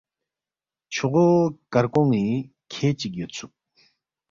چھوغو کرکون٘ی کھے چِک یودسُوک